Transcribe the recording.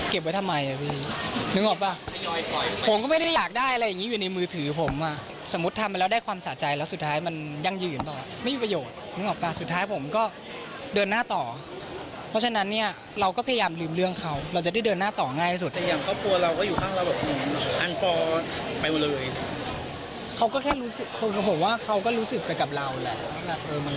เขาก็แค่รู้สึกผมคิดว่าเขาก็รู้สึกไปกับเราแหละ